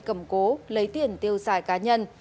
các đối tượng đem đi cầm cố lấy tiền tiêu xài cá nhân